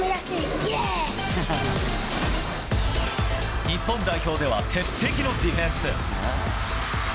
イエー日本代表では鉄壁のディフェンス。